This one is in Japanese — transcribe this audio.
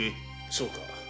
そうか。